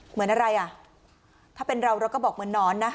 เหมือนอะไรอ่ะถ้าเป็นเราเราก็บอกเหมือนนอนนะ